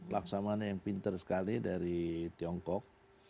laksamana yang pinter sekali dari tiongkok